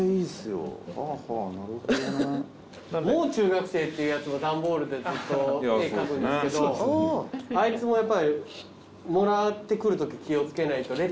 もう中学生っていうやつも段ボールで絵描くんですけどあいつもやっぱりもらってくるとき気を付けないと。